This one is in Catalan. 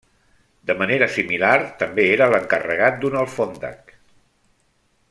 De manera similar, també era l'encarregat d'un alfòndec.